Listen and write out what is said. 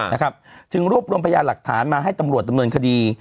นะครับจึงรวบรวมพยานหลักฐานมาให้ตำรวจดำเนินคดี